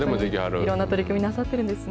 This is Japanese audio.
いろんな取り組みなさってるんですね。